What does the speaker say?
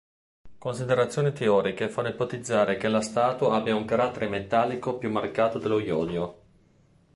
Considerazioni teoriche fanno ipotizzare che l'astato abbia un carattere metallico più marcato dello iodio.